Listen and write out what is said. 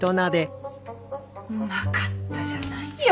うまかったじゃないよ